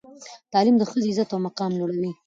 تعلیم د ښځې عزت او مقام لوړوي.